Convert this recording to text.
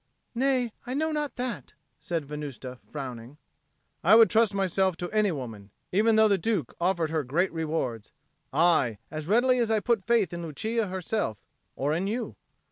"Nay, I know not that," said Venusta, frowning. "I would trust myself to any woman, even though the Duke offered her great rewards, aye, as readily as I put faith in Lucia herself, or in you."